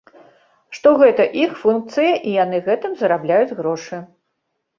Што гэта іх функцыя і яны гэтым зарабляюць грошы.